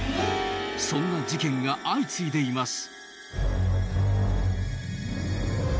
そんな事件が相次いでいます。